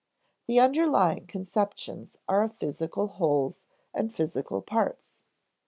The underlying conceptions are of physical wholes and physical parts.